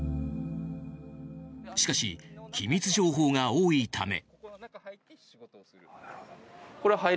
しかし、機密情報が多いため。